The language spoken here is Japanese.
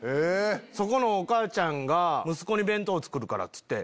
そこのお母ちゃんが息子に弁当作るからっつって。